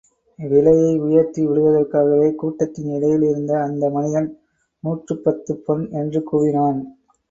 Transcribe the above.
விலையை உயர்த்தி விடுவதற்காகவே கூட்டத்தின் இடையில் இருந்த அந்த மனிதன், நூற்றுப்பத்துப் பொன் என்று கூவினான்.